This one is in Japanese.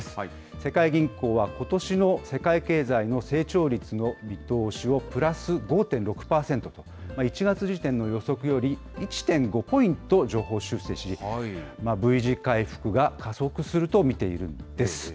世界銀行はことしの世界経済の成長率の見通しをプラス５．６％と、１月時点の予測より１．５ポイント上方修正し、Ｖ字回復が加速すると見ているんです。